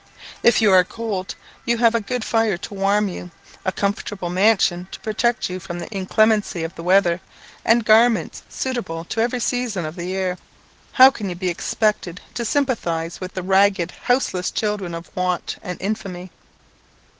If you are cold, you have a good fire to warm you, a comfortable mansion to protect you from the inclemency of the weather, and garments suitable to every season of the year. How can you be expected to sympathize with the ragged, houseless children of want and infamy!